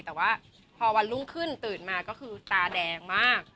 แต่ว่าพอวันรุ่งขึ้นตื่นมาก็คือตาแดงมาก